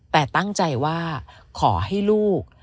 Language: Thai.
แต่ตั้งใจว่าขอให้ลูก